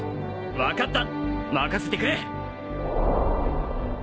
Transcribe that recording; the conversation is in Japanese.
分かった任せてくれ